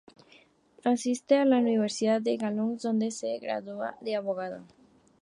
Asiste a la Universidad de Dalhousie, donde se gradúa de abogado.